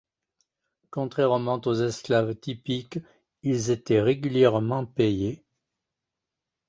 Contrairement aux esclaves typiques, ils étaient régulièrement payés.